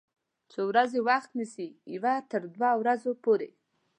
څو ورځې وخت نیسي؟ یوه تر دوه ورځو پوری